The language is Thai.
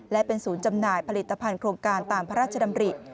และเป็นศูนย์จำหน่ายผลิตภัณฑ์โครงการตามพระราชดำริ